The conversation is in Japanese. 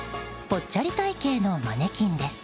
ぽっちゃり体形のマネキンです。